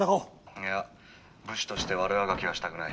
「いや武士として悪あがきはしたくない。